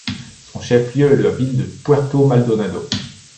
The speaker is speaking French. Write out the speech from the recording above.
Son chef-lieu est la ville de Puerto Maldonado.